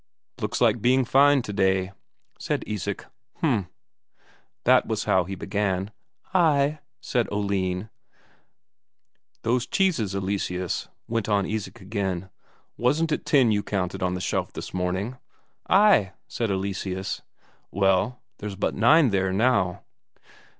"Looks like being fine today," said Isak. "H'm." That was how he began. "Ay," said Oline. "Those cheeses, Eleseus," went on Isak again, "wasn't it ten you counted on the shelf this morning?" "Ay," said Eleseus. "Well, there's but nine there now."